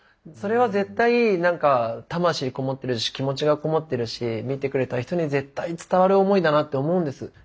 それは絶対何か魂こもってるし気持ちがこもってるし見てくれた人に絶対伝わる思いだなって思うんです。